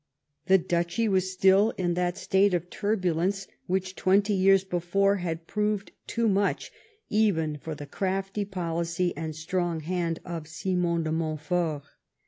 The duchy was still in that state of turbulence which, twenty years before, had proved too much even for the crafty policy and strong hand of Simon do ]\Iontfort.